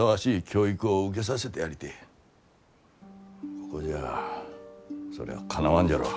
ここじゃあそりゃあかなわんじゃろう。